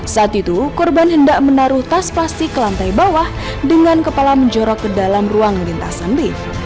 saat itu korban hendak menaruh tas plastik ke lantai bawah dengan kepala menjorok ke dalam ruang lintasan lift